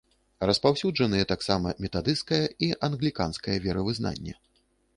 Распаўсюджаныя таксама метадысцкае і англіканскае веравызнанне.